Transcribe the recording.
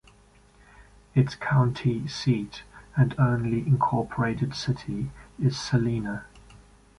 Its county seat and only incorporated city is Celina.